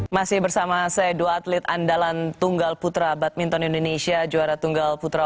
masih bersama saya dua atlet andalan tunggal putra badminton indonesia juara tunggal putra